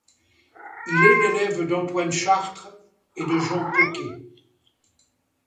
Il est l'élève d'Antoine Chartres et de Jean Coquet.